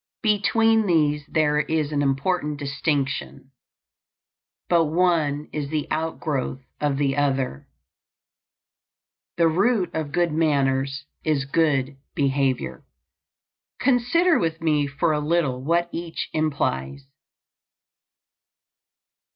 Between these there is an important distinction, but one is the outgrowth of the other. The root of good manners is good behavior. Consider with me for a little what each implies.